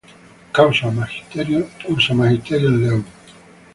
Cursa magisterio en León.